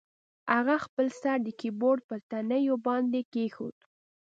هغه خپل سر د کیبورډ په تڼیو باندې کیښود